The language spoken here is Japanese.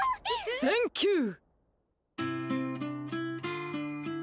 センキュー！